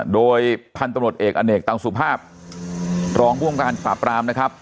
โดยพันตมนต์เอกอเนกต่างสุภาพรองบุงการสาปรามนะครับ